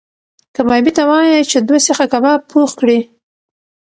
کبابي ته وایه چې دوه سیخه کباب پخ کړي.